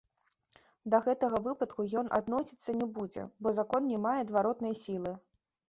Да гэтага выпадку ён адносіцца не будзе, бо закон не мае адваротнай сілы.